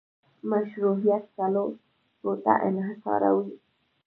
مشروعیت څلورو ته انحصارول